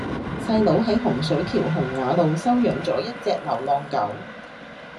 細佬喺洪水橋洪雅路收養左一隻流浪狗